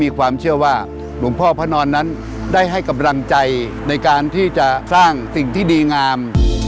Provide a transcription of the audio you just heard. ความเชื่อว่าหลวงพ่อพระนอนนั้นได้ให้กำลังใจในการที่จะสร้างสิ่งที่ดีงาม